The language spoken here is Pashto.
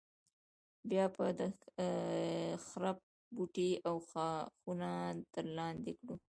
بیا به د خرپ بوټي او ښاخونه تر لاندې کړو.